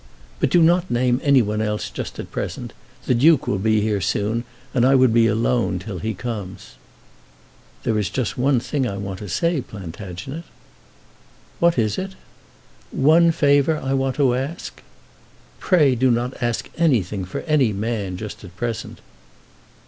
But do not name any one else just at present. The Duke will be here soon, and I would be alone till he comes." "There is one thing I want to say, Plantagenet." "What is it?" "One favour I want to ask." "Pray do not ask anything for any man just at present."